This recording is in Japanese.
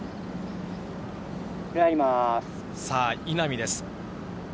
さあ、稲見です。